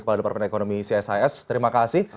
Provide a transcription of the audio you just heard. kepala departemen ekonomi csis terima kasih